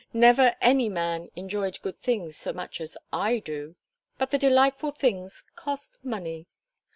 Never any man enjoyed good things so much as I do. But the delightful things cost money.